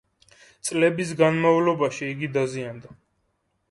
წლების განმავლობაში იგი დაზიანდა.